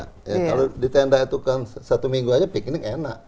kalau di tenda itu kan satu minggu aja piknik enak